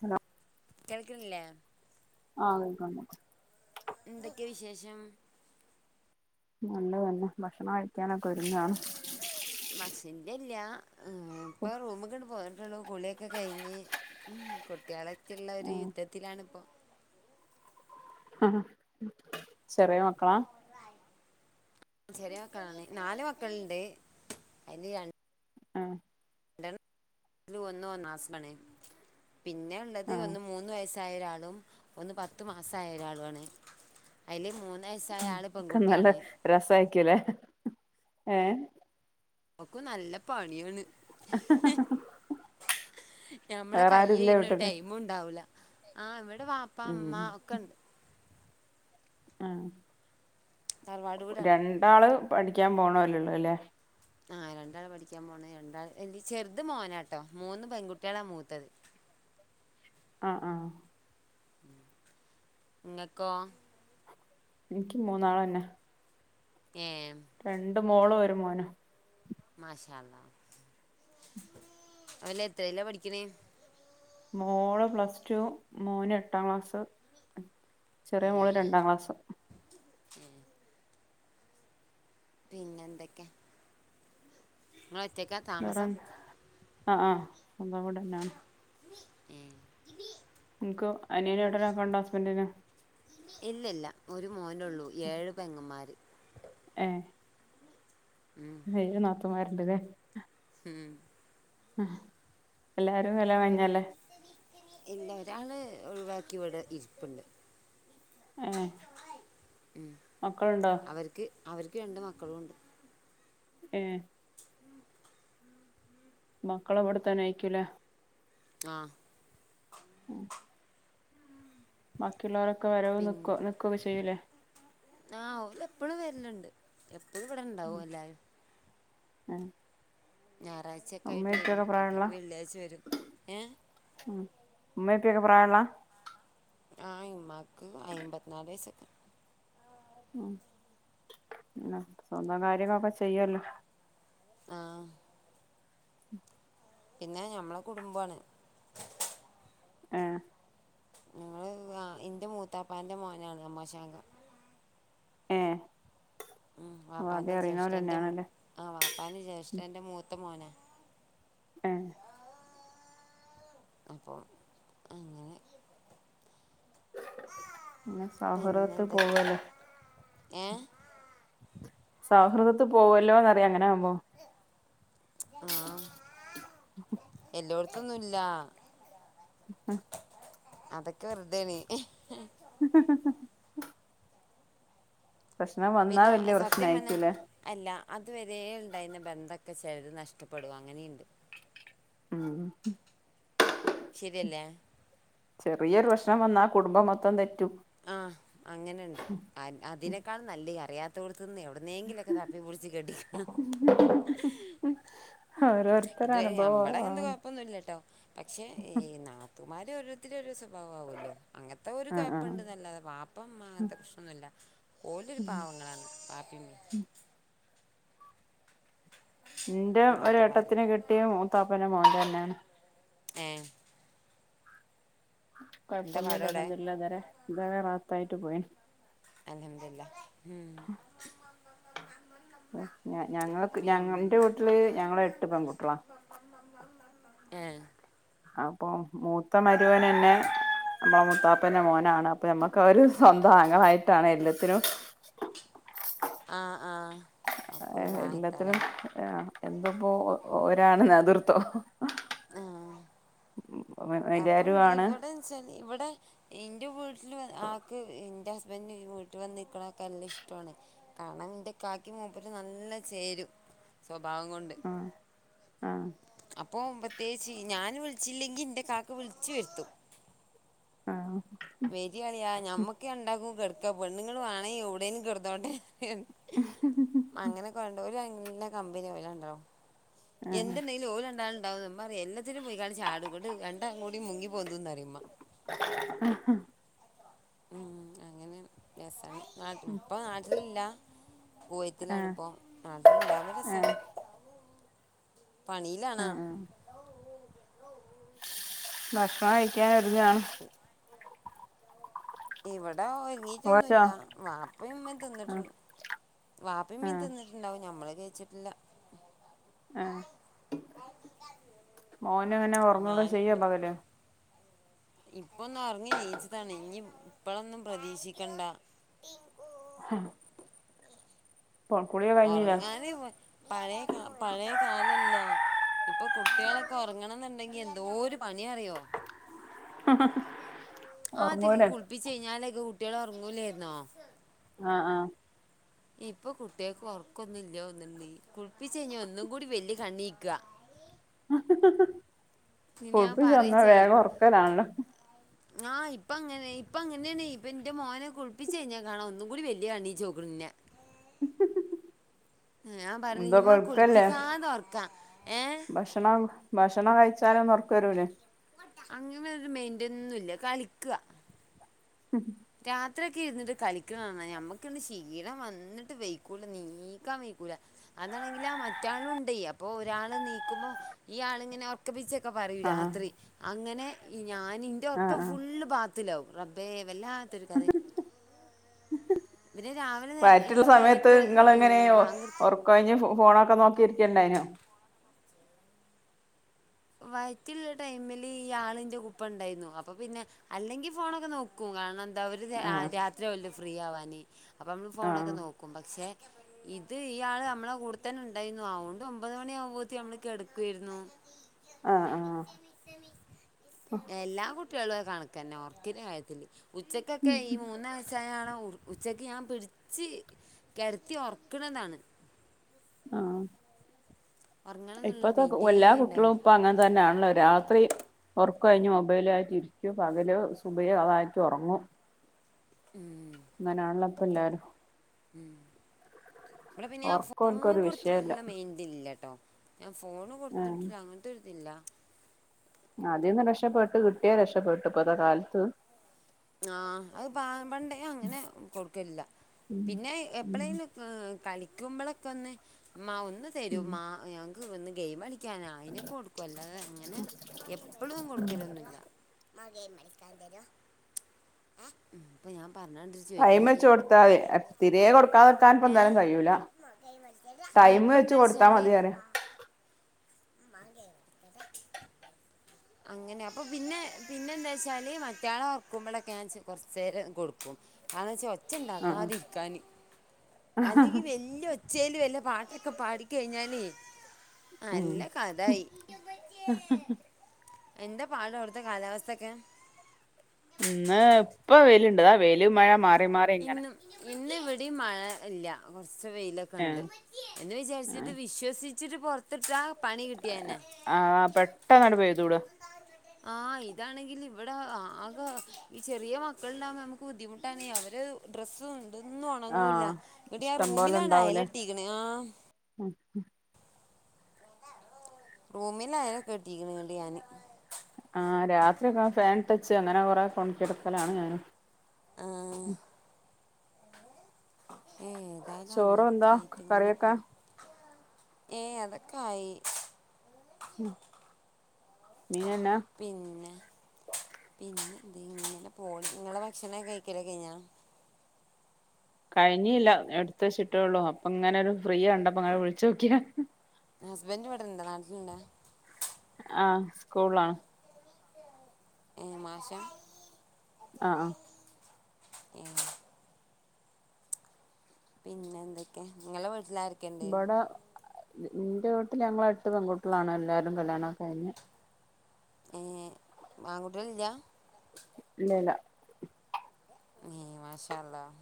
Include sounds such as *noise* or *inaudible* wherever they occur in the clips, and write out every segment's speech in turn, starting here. Hello കേൾക്കണില്ലേ ആഹ് കേൾക്കോണ്ട് എന്തൊക്കെയാ വിശേഷം നല്ല തന്നെ ഭക്ഷണം കഴിക്കാനൊക്കെ ഒരുങ്ങാണ്. ബസിന്റെ ഇല്ല ഇപ്പൊ റൂമിക്ക് പോന്നിട്ടുള്ളു കുളിയൊക്കെ കഴിഞ്ഞ്. കുട്ടികളൊക്കെ ഉള്ളവര് യുദ്ധത്തിലാണിപ്പോൾ. ആഹ് ചെറിയ മക്കളാ. ചെറിയ മക്കളാണ്, നാല് മക്കളുണ്ട് അതില് രണ്ട്. ആഹ് ഒന്ന് ഒന്നാസാണ്, പിന്നെള്ളത് ആഹ് ഒന്ന് മൂന്ന് വയസ്സ്. ഒരാളും ഒന്ന് പത്ത് മാസമായ ഒരാളുമാണ്. അതില് മൂന്ന് വയസ്സായ ആള് പെൺകുട്ടിയാണ്. രസയിക്കൂലേ ഏ. ഓക്ക് നല്ല പണിയാണ്. ഞമ്മളെ വേറെ കൈ ആരുല്ലേ കഴിഞ്ഞൊരു വീട്ടില് ടൈമ് ഉണ്ടാവുല. ആഹ് ഇവിടെ ബപ്പാ, ഉമ്മ ഉം ഒക്കെ ഉണ്ട്. ആഹ് തറവാട് വീടാണ് രണ്ടാള് പഠിക്കാൻ പോണല്ലള്ളു അല്ലേ. ആ രണ്ടാള് പഠിക്കാൻ പോണ. രണ്ടാ ചെറുത് മോനാട്ടോ മൂന്ന് പെൺകുട്ടികളാ മൂത്തത്. ആഹ് ആഹ് ഇങ്ങക്കോ. എനിക്ക് മൂന്നാളെന്നെ. ഏം. രണ്ട് മോളും ഒരു മോനും. മാഷ അള്ളാ അവര് എത്രയിലാ പഠിക്കണേ. മോള് പ്ലസ് ടു മോൻ എട്ടാം ക്ലാസ്. ചെറിയ മോള് രണ്ടാം ക്ലാസ്സ്. ഉം പിന്നെ എന്തൊക്കെ. നിങ്ങള് ഒറ്റക്കാത്ത. വേറെ ആഹ് ആഹ് സ്വന്തം വീടെന്നെയാണ്. ഉം നിനക്കോ അനിയൻ ഏട്ടനൊക്കെ ഉണ്ടോ ഹസ്ബന്റിന്. ഇല്ലില്ല ഒരു മോനുള്ളൂ. ഏഴ് പെങ്ങന്മാര്. ഏഹ് ഉം ഏഴ് നാത്തൂന്മാരുണ്ടല്ലേ. ഉം ആ എല്ലാരും കല്യാണം കഴിഞ്ഞല്ലേ ഇല്ല ഒരാള് ഒഴിവാക്കി ഇവിടെ ഇരിപ്പുണ്ട്. ഏഹ് ഉം മക്കളുണ്ടോ അവർക്ക് അവർക്ക് രണ്ട് മക്കളും ഉണ്ട്. ഏഹ് മക്കള് അവിടുത്തന്നെ ആയിക്കൂലേ. ആഹ് *inaudible* ബാക്കിയുള്ളവരൊക്കെ വരവ് നിക്കു നിക്കയൊക്കെ ചെയ്യൂലേ. ആ ഓള് എപ്പോഴും വരിലണ്ട്. എപ്പളും ഇവിടെണ്ടാവും എല്ലാരും ആഹ് ഞായറാഴ്ചയൊക്ക ആയിട്ട് വരും. അല്ലെങ്കിൽ വെള്ളിയാഴ്ച്ച വരും ഏഹ് ഉ ഉമ്മ, ഉപ്പ പ്രായള്ള ആ ഇമ്മക്ക് അയിമ്പന്നാല് വയസ്സക്ക. പിന്നെ സ്വന്തം കാര്യങ്ങളൊക്കെ ചെയ്യോലോ. ആഹ് പിന്നെ ഞമ്മളെ കുടുംമ്പാണ് ആഹ് ഞങ്ങള് ആഹ് ഇന്റെ മൂത്താപ്പാന്റെ മോനാണ് അമാശാങ്ക ഏഹ് ആദ്യ അറിണൊലെന്നെയാണല്ലേ ആഹ് വാപ്പാന് ജേഷ്ഠന്റെ മൂത്ത മോനാ ഉം അപ്പം അങ്ങനെ പിന്നെ സൗഹൃദത്തിൽ പിന്നെന്തക്കെ പോവല്ലേ ഏഹ് സൗഹൃദത്ത് പോവല്ലോന്ന് അറിയാ അങ്ങനെകുമ്പോ ആഹ് എല്ലോടത്തൊന്നും ഇല്ലാ അതൊക്കെ വെറുതെണ് *unintelligible* പ്രശ്നം വന്നാ പിന്നെ വല്യ സത്യം പന്നാ പ്രശ്നായിരിക്കൂലേ അല്ല അതുവരെ ഇണ്ടായിരുന്ന ബന്ധക്കെ ചെലര് നഷ്ടപ്പെടും അങ്ങനെയിണ്ട് ഉം ശരിയല്ലേ ചെറിയൊരു പ്രശ്നം വന്നാ കുടുംബം മൊത്തം തെറ്റും ആഹ് അങ്ങനെണ്ട് അതിനേക്കാൾ നല്ലെ അറിയാ *unintelligible* എവിടുന്നേങ്കിലും എക്കെ തപ്പി പിടിച്ച് കെട്ടിക്കന്നാ *unintelligible* ഓരോരുത്തര ഇത് അനുഭവം ഞമ്പടെ എന്ത്‌ ആണ് കൊഴപ്പൊന്നുല്ലട്ടോ പക്ഷേ ഈ നാത്തുന്മാര് ഓരോരുത്തരും ഓരോ സ്വഭാവം ആവുല്ലോ അങ്ങൻത്തെ ഒരു ആഹ് കൊയപ്പം ആഹ് ഇണ്ട്ന്നല്ലാതെ വാപ്പ ഉമ്മ അങ്ങനത്തെ പ്രശ്നം ഒന്നുല്ല ഓലൊരു പാവങ്ങളാണ് വാപ്പി ഉമ്മി ന്റെ ഒരു നാത്തുമാർ ഏട്ടത്തിനെ കെട്ടിയെ മൂത്താപ്പേന്റെ മോൻ തന്നേണ് ഏഹ് എന്താ കൊഴ്പ്പൊന്നുല്ല പാടോടെ അൽഹംദുലില്ലാഹ് ഇതുവരെ ഇതുവരെ റാഹത്തായി പോയിന് അൽഹംദുലില്ലാഹ് ഞ ഞങ്ങൾക്ക് ഞങ്ങൾ ന്റെ പിന്നെ വീട്ടില് ഞങ്ങള് എട്ട് പെൺകുട്ട്യോളാ ഏഹ് അപ്പൊ മൂത്ത മരുമോനെന്നെ നമ്മളെ മൂത്താപ്പേന്റെ മോനാണ് അപ്പൊ ഞമ്മക്ക് അവര് സ്വന്തം ആങ്ങളായിട്ടാണ് എല്ലത്തിനും ആഹ് ആഹ് എല്ലത്തിനും ആഹ് എന്തപ്പോ ഒരാണ് നേതൃത്വം ആഹ് അപ്പം എല്ലാരും ആണ് ഇവിടെ ഇവിടെ എന്റെ വീട്ടില് ആക്ക് ഇന്റെ ഹസ് വന്ന് വീട്ടി വന്ന് നിക്കണൊക്കെ എല്ലാം ഇഷ്ടു ആണ് കാണാന്റെ ഇക്കാക്കി മൂപ്പരും നല്ല ചേരും സ്വഭാവം കൊണ്ട് ആഹ് ആഹ് അപ്പോം പ്രത്യേകിച്ച് ഞാന് വിളിച്ചില്ലെങ്കി ൻ്റെ കാക്ക വിളിച്ച് വരുത്തും ആഹ് വെരി അളിയാ ഞമ്മക്ക് രണ്ടാക്കും കെട്ക്കാ പെണ്ണുങ്ങള് വാണെങ്കി എവ്ടെങ്കിലും കെടന്നോട്ടെ അങ്ങനൊക്കെ ഒണ്ട് ഓര് നല്ല കമ്പനിയാ ഓര് രണ്ടാളും ആഹ് എന്ത്ണ്ടേലും ഓര് രണ്ടാളും ണ്ടാവും ഉമ്മ പറിം എല്ലാത്തിലും പോയിക്കാണ്ട് ചാടും ന്നിട്ട് രണ്ടാളുംകൂടെ മുങ്ങി പൊന്തുന്നറിം *unintelligible* ഉം അങ്ങനെ രസാണ് നാട്ട് ഇപ്പൊ നാട്ടിലില്ല ആഹ് കുവൈത്തിലാണിപ്പോ നാട്ടിലിണ്ടാവുമ്പോ രസാണ് ആഹ് പണിയിലാണാ ആഹ് ആഹ് ഭക്ഷണം കഴിക്കാനൊര്ങ്ങാണ് *unintelligible* ഇവടെ കഴിച്ചോ ഒരുങ്ങീട്ടൊന്നുല്ല വാപ്പീമ്മേം ആഹ് തിന്നിട്ടുണ്ട് വാപ്പിമ്മി ആഹ് തിന്നിട്ട് ണ്ടാവും ഞമ്മള് കഴിച്ചിട്ടില്ല ആഹ് മോനെങ്ങനെ ഓർങ്ങൊക്കെ ചെയ്യാ പകല് ഇപ്പൊന്നൊർങ്ങി നീച്ചതാണ് ഇനി ഇപ്പളൊന്നും പ്രതീക്ഷിക്കണ്ട ഹ കഴിഞ്ഞില്ലേ ഒർങ്ങാന് പ പഴേ കാ പഴേകാലല്ലാ ഇപ്പൊ കുട്ട്യാളൊക്കെ ഒർങ്ങണന്നുണ്ടെങ്കി എന്തോ ഒരു പണിയാ അറിയോ ആദ്യൊക്കെ ഉറങ്ങൂലേ കുളിപ്പിച്ച യ്ഞ്ഞാലൊക്കെ കുട്ട്യാള് ഒർങ്ങൂലായിന്നോ ആഹ് ആഹ് ഇപ്പൊകുട്ട്യാക്ക് ഒർക്കൊന്നും ഇല്ല്യോന്നുണ്ട് കുളിപ്പിച്ചയ്ഞ്ഞാ ഒന്നും കൂടി വല്ല്യ കണ്ണീക്കാ ഇനി ഞാൻ കുൾപ്പിച്ചന്ന പറയും വേഗോർക്കലാണല്ല ആഹ് ഇപ്പങ്ങനെ ഇപ്പ അങ്ങനെയാണ് ഇപ്പന്റെ മോനെ കുളിപ്പിച്ചയ്ഞ്ഞാ കാണാ ഒന്നും കൂടി വല്യകണ്ണീചോക്ക്ണ്ന്നേ *unintelligible* ഞാൻ പറഞ്ഞു എന്തൊ ഇമ്മ കൊഴക്കല്ലേ കുളിപ്പിക്കാതെ ഉറക്കാം ഏ ഭക്ഷണം ഭക്ഷണം കഴിച്ചാലൊന്നൊർ ക്കരൂലേ അങ്ങനൊരു മെയിന്റന്നുല്ല കളിക്കാ *unintelligible* രാത്രിയൊക്കെ ഇരുന്നിട്ട് കളിക്ക്ണാണ്ണം ഞമ്മക്കിന്ന് ക്ഷീണം വന്നിട്ട് വെയ്ക്കൂല നീക്കാൻ വെക്കൂലാ അതാണെങ്കിലോ മറ്റാളുംണ്ടേ അപ്പൊ ഒരാള് നീക്കുമ്പോ ഈ ആളിങ്ങനെ ഒറക്കപ്പിച്ചൊക്കെ പറയും ആഹ് രാത്രി അങ്ങനെ ഞാനിൻ്റെ ആഹ് ഒറക്കം ആഹ് ഫുള് ബാത്‌റൂമിൽ ത്തിലാവും റബ്ബേ വല്ലാത്തൊരു കഥ പിന്നെ രാവിലെ നേ- വയറ്റില്ള്ള ഏഹ് സമയത്ത് നേരത്തെ ഏഹ് ഇങ്ങളെങ്ങനെ ബാങ്ക് കൊടുത്ത് ഒറ കഴിഞ്ഞ് ഫോണൊക്കെ നോക്കിയിരിക്കണ്ടായിനൂ വയറ്റില്ള്ള ടൈമിൽ ഈ ആളിന്റെ കുപ്പണ്ടായിരുന്നു അപ്പൊ പിന്നെ അല്ലെങ്കി ഫോണൊക്കെ നോക്ക ക്കും കാരണം എന്താ അവുര് ആഹ് രാത്രി ആവുംല്ലോ ഫ്രീ ആവാന് അപ്പം നമ്മള് ഫോണൊക്കെ ആഹ് നോക്കും പക്ഷെ ഇത് ഇയാള് നമ്മളെ കൂടെത്തന്നെണ്ടായിരുന്നു അതോണ്ട് ഒമ്പത് മണി ആകുമ്പോത്തിന് നമ്മള് കെടക്കുവേരുന്നു ആഹ് ആഹ് എല്ലാ കുട്ട ട്ട്യാളും കണക്കെന്നെ ഉറക്കിന്റെ കാര്യത്തില് ഉച്ചക്കൊക്കെ ഈ മൂന്ന് വയസ് സായ ആളെ ഉച്ചക്ക് ഞാൻ പിടിച്ച് കെടത്തി ഉറക്ക്‌ണതാണ് ആഹ് ഉറങ്ങണം എന്നുള്ളൊരു ഇപ്പത്തെ മൈൻഡേ എല്ലാ ഉണ്ടാവില്ല കുട്ട്യാളും ഇപ്പൊ അങ്ങനെ തന്നെയാണല്ലോ രാത് ത്രി ഉർക്കൊഴിഞ്ഞ് മൊബൈല് ആയിട്ട് ഇരിക്കും പകല് സുബൈഹ് അവായിട്ട് ഉറങ്ങും ഉം അങ്ങനെയാണല്ലോ ഇപ്പ എല്ലാരും ഉം ഇവടെ പിന്നെ ഞാൻ ഉറക്കം ഫോൺ ഓൽക്കൊരു വിഷയല്ല കൊടുത്തിട്ടിള്ള മെയിൻ ഇതില്ല ട്ടോ ഞാൻ ഫോൺ ഉം കൊടുത്തിട്ടിള്ള അങ്ങനത്തെ ഒരിതില്ല അതീന്ന് രക്ഷപ്പെട്ട് കിട്ടിയാ രക്ഷപ്പെട്ട് ഇപ്പത്തെ കാലത്ത് ആഹ് അത് പ പണ്ടേ അങ്ങനെ കൊടുക്കലില്ല പിന്നെ എപ്പളേലും കളിക്കുമ്പോളൊക്കെ ഒന്ന് ഇമ്മാ ഒന്ന് തരൊ ഉം ഇമ്മ ഞങ്ങൾക്ക് ഒന്ന് ഗെയിം കളിക്കാനാ അയിനോക്കെ കൊടുക്കും അല്ലാതെ അങ്ങനെ എപ്പളും കൊടുക്കലൊന്നുല്ല ഇപ്പൊ ഞാൻ പറഞ്ഞണ്ട് ടൈമെച്ച് കൊടുത്താതി തീരെ കൊടുക്കാതെക്കാൻ ഇപ്പൊ ഏ എന്തായാലും കഴിയൂല ആ ടൈം ഇപ്പം വെച്ച് എന്താ കൊടുത്താ മതി വെച്ചാൽ പറയാ *unintelligible* അങ്ങനെ അപ്പൊ പിന്നെ പിന്നെ എന്താ വച്ചാല് മറ്റാളെ ഉറക്കുമ്പോളൊക്കെ ഞാൻ കൊറച്ചേരം കൊടുക്കും തെന്താ ച്ചാ ഒച്ച ആ ഉണ്ടാക്കാതിരിക്കാൻ അല്ലെങ്കിൽ വല്യ ഒച്ച ഒച്ചേല് വല്ല പാട്ടൊക്കെ പാടി കഴിഞ്ഞാലെ ഉം എന്താ പാട് അവിടുത്തെ കാലാവസ്ഥ ഒക്കെ ഇന്ന് ഇപ്പൊ വെയിൽ ഇണ്ട് ഇതാ വെയില് മഴ മാ ഇന്നും ഇന്ന് ഇവിടേം മഴ ഇല്ല കുറച്ച് വെയിലൊക്കെ ക്കെണ്ട് എന്ന് വിചാരിച്ചിട്ട് വിശ്വസിച്ചിട്ട് പൊറത്തിട്ടാ പണി കിട്ടിയെന്നെ ആഹ് പെട്ടെന്നണ്ട് പെയ്തൂടും ആ ഇതാണെങ്കിൽ ഇവിടെ ആകെ ഈ ചെറിയ മക്കള്ണ്ടാവുമ്പോ നമുക്ക് ബുദ്ധിമുട്ടാണ് അവര് ഡ്രസ്സും ഇതൊന്നും ആ ഒണങ്ങൂല്ല ഇങ്ങട്ട് ഞാൻ ആ ഇഷ്ടം റൂമിലാണ് അയല് കെട്ടിക്ക്ണ് ആഹ് ഉം റൂമില് അയല് ഒക്കെ കെട്ടിക്കുണു ഇങ്ങട്ട് ഞാന് ആഹ് രാത്രി ഒക്കെ ആ ഫേൻ ഇട്ടെച്ച് അങ്ങനെ കൊറെ ഒണക്കി എടുക്കലാണ് ഞാൻ ആഹ് ഏതായാലും ചോറും എന്താ അങ്ങനെഒക്കെ ആയിട്ട് ഇങ്ങനെ കറിയൊക്കെ പോണു ഏഹ് അതൊക്കെ ആയി മീനെന്നാ പിന്നെ പിന്നെ എന്തേനു ഇങ്ങനെ പോണ് ഇങ്ങളെ ഭക്ഷണം ഒക്കെ കഴിക്കല് കഴിഞ്ഞാ കഴിഞ്ഞില്ല എടുത്ത് വെച്ചിട്ടൊള്ളൂ അപ്പൊ ഇങ്ങനെ ഒരു ഫ്രീ കണ്ടപ്പോ അങ്ങനെ വിളിച്ച് നോക്കിയാ ഹസ്ബൻ്റ് ഇവിടെ ഇണ്ടാ നാട്ടില്ണ്ടാ ആഹ് സ്കൂൾലാണ് ഏഹ് മാഷാ ആഹ് ആഹ് ഏ പിന്നെന്തൊക്കെ ങ്ങളെ വീട്ടിലാര് ഇബടെ ന്റെ വീട്ടില് ഞങ്ങള് എട്ട് പെൺകുട്ട്യളാണ് എല്ലാരും കല്യാണൊക്കെ കഴിഞ്ഞ് ഏ ആൺകുട്ട്യാള്ല്ല ഇല്ലല്ല എ മാഷാഅള്ളാഹ്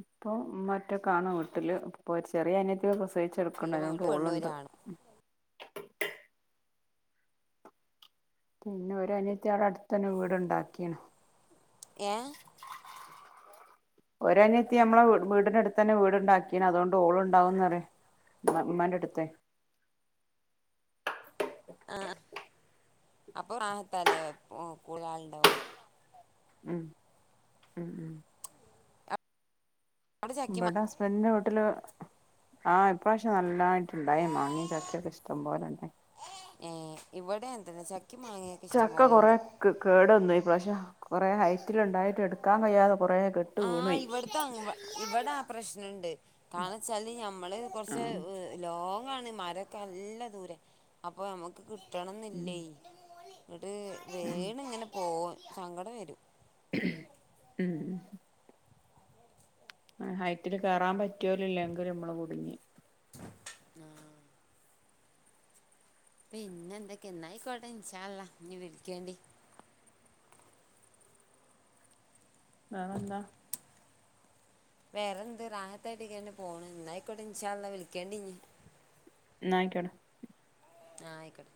പ്പൊ മ്മ ഒറ്റക്കാണ് വീട്ടില് ഇപ്പൊരു ചെറിയ അനിയത്തി പ്രസവി ഫുള്ള് സയ്ച്ചെക്ക്ണ്ട് പെൺകുട്ടി പെണ്ണും അയ്നോണ്ടോള്ണ്ട് ഒരാണും പിന്നെ ഒരു അനിയത്തി അവടെ അട്ത്തെന്നെ വീട്ണ്ടാക്കിണ് ഏ *inaudible* ഒരനിയത്തി നമ്മളെ വീടിനടുത്തെന്നെ വീട്ണ്ടാക്കിണ് അതോണ്ടോള് ണ്ടാവുന്നറിയും മ മ്മാന്റെ വീട്ട്ത്തെ ആ അപ്പൊ റാഹത്താല്ലേ കൂടെ ആള്ണ്ടാവും ഉം ഉം ഉം അവിടെ ചക്കി മാ ഇബടെ ഹസ്ബന്റിന്റെ വീട്ട്ല് ആ ഇപ്രാശ്യം നല്ലതായിട്ട്ണ്ടായി മാങ്ങി ചക്കയൊക്കെ ഇഷ്ടം പോലെണ്ടായി ഏ ഇവടെ അങ്ങൻത്തെന്നെ ചക്കേം മാങ്ങ ചക്ക കൊറേ കെ കേടെന്നോയി ഇപ്രാശ്യം കൊറെ ഹൈറ്റില്ണ്ടായിട്ട് എടുക്കാൻ കയ്യാതെ കൊറേ കേ ആ ഇവ്ട്ത്തെ അങ് ഇവടാപ്രശ്നണ്ട് കാരണെച്ചാല് ഞമ്മള് കൊർച്ച് ആഹ് ലോങ്ങാണ് മരൊക്കെ നല്ല ദൂരെ അപ്പൊ ഞമ്മക്ക് ഉം കിട്ടണംന്നില്ലേ ങ്ങ്ട്ട് ഉം വീണ് ങ്ങനെ പോവും സങ്കടം വെരും ഉം ഹൈറ്റില് കേറാൻ പട്ട്യോലില്ലെങ്കില് ഞമ്മള് കുടുങ്ങി ആ പിന്നെന്തൊക്കെ ന്ന അയ്ക്കോട്ട ഇന്ഷാഅള്ളാഹ് ഞ്ഞി വിളിക്കേണ്ടി വേറെന്താ വേറെന്ത് റാഹത്തായിട്ട്ങ്ങനെന്നെ പോണ് ന്നാ അയ്ക്കോട്ടെ ഇന്ഷാ അള്ളാഹ് വിളിക്കേണ്ടി ഞ്ഞി ന്നാ അയ്ക്കോട്ടെ ആ അയ്ക്കോട്ടെ